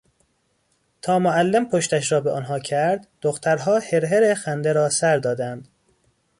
تا معلم پشتش را به آنها کرد دخترها هرهر خنده را سر دادند.